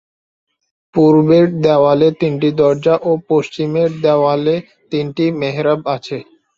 পূর্বের দেওয়ালে তিনটি দরজা ও পশ্চিমের দেওয়ালে তিনটি মেহরাব আছে।